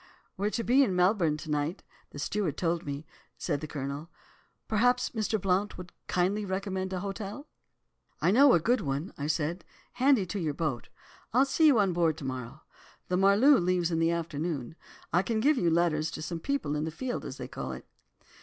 "'We're to be in Melbourne to night, the steward told me,' said the Colonel; 'perhaps Mr. Blount will kindly recommend an hotel?' "'I know a good one,' said I, 'handy to your boat. I'll see you on board to morrow. The Marloo leaves in the afternoon. I can give you letters to some people on "the field" as they call it.